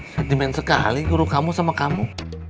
sentimen sekali guru kamu sama kamu